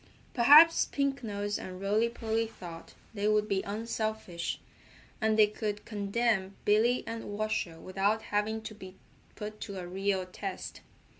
Perhaps Pink Nose and Rolly Polly thought they would be unselfish, and they could condemn Billy and Washer without having to be put to a real test.